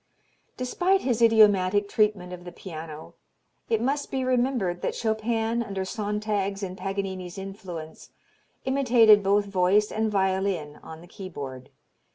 Despite his idiomatic treatment of the piano it must be remembered that Chopin under Sontag's and Paganini's influence imitated both voice and violin on the keyboard.